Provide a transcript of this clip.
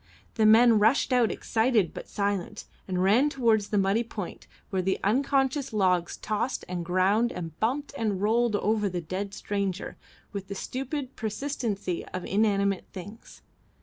The men rushed out excited but silent, and ran towards the muddy point where the unconscious logs tossed and ground and bumped and rolled over the dead stranger with the stupid persistency of inanimate things.